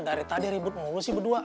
dari tadi ribet mulu sih berdua